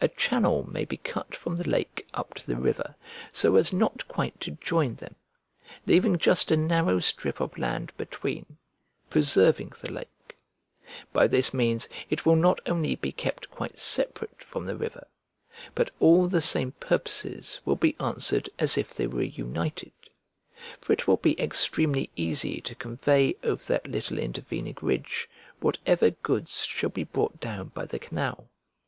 A channel may be cut from the lake up to the river so as not quite to join them, leaving just a narrow strip of land between, preserving the lake; by this means it will not only be kept quite separate from the river, but all the same purposes will be answered as if they were united: for it will be extremely easy to convey over that little intervening ridge whatever goods shall be brought down by the canal.